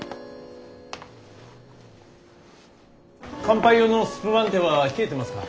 乾杯用のスプマンテは冷えてますか。